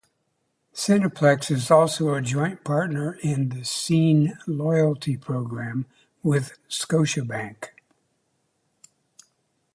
Cineplex is also a joint partner in the Scene loyalty program with Scotiabank.